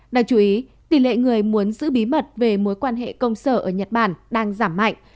đáng chú ý tỷ lệ người muốn giữ bí mật về mối quan hệ công sở ở nhật bản đang giảm mạnh